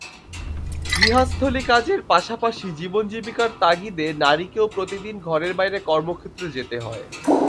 গৃহস্থালিকাজের পাশাপাশি জীবন-জীবিকার তাগিদে নারীকেও প্রতিদিন ঘরের বাইরে কর্মক্ষেত্রে যেতে হয়।